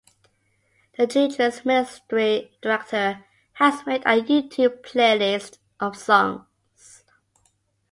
The Children’s Ministry Director has made a YouTube playlist of songs